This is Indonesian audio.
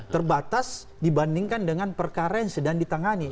terbatas dibandingkan dengan perkara yang sedang ditangani